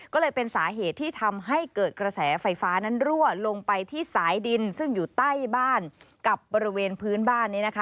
ก็เลยเป็นสาเหตุที่ทำให้เกิดกระแสไฟฟ้านั้นรั่วลงไปที่สายดินซึ่งอยู่ใต้บ้านกับบริเวณพื้นบ้านนี้นะคะ